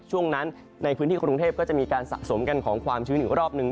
ช่วงนั้นในพื้นที่กรุงเทพก็จะมีการสะสมกันของความชื้นอีกรอบหนึ่ง